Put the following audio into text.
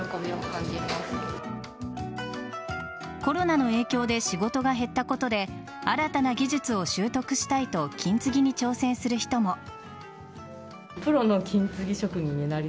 コロナの影響で仕事が減ったことで新たな技術を習得したいと金継ぎに挑戦する人も。